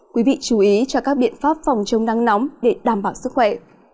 quý vị chú ý cho các biện pháp phòng chống nắng nóng để đảm bảo sức khỏe